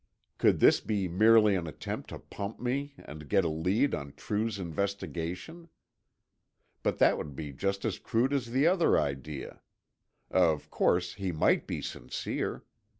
Could this be merely an attempt to pump me and get a lead on True's investigation? But that would be just as crude as the other idea. Of course, he might be sincere.